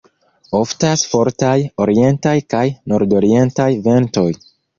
Oftas fortaj orientaj kaj nordorientaj ventoj.